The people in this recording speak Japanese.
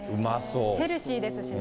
ヘルシーですしね。